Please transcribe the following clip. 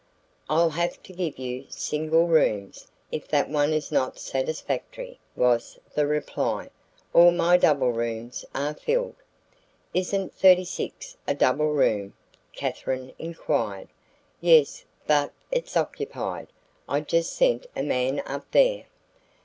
"I'll have to give you single rooms, if that one is not satisfactory," was the reply. "All my double rooms are filled." "Isn't 36 a double room?" Katherine inquired. "Yes, but it's occupied. I just sent a man up there."